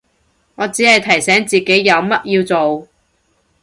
我只係提醒自己有乜要做